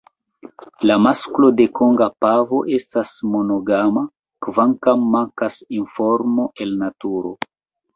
La masklo de Konga pavo estas monogama, kvankam mankas informo el naturo.